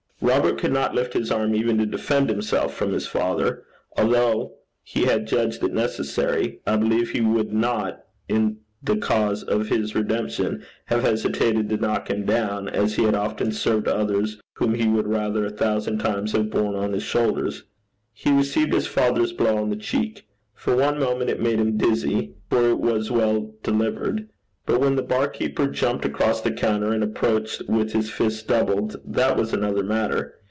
Robert could not lift his arm even to defend himself from his father, although, had he judged it necessary, I believe he would not, in the cause of his redemption, have hesitated to knock him down, as he had often served others whom he would rather a thousand times have borne on his shoulders. He received his father's blow on the cheek. For one moment it made him dizzy, for it was well delivered. But when the bar keeper jumped across the counter and approached with his fist doubled, that was another matter.